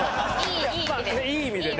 いい意味でね。